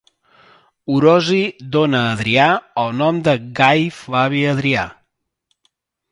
Orosi dóna a Adrià el nom de Gai Flavi Adrià.